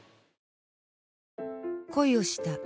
恋をした。